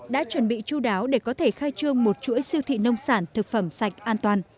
đã chuẩn bị chú đáo để có thể khai trương một chuỗi siêu thị nông sản thực phẩm sạch an toàn